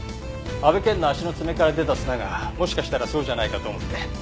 阿部健の足の爪から出た砂がもしかしたらそうじゃないかと思って。